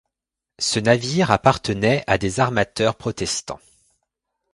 Ce navire appartenait à des armateurs protestants.